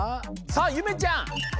さあゆめちゃん！